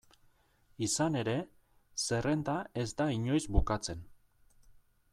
Izan ere, zerrenda ez da inoiz bukatzen.